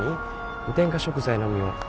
「無添加食材のみを」